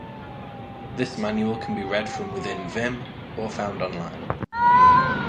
This manual can be read from within Vim, or found online.